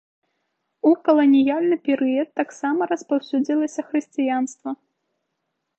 У каланіяльны перыяд таксама распаўсюдзілася хрысціянства.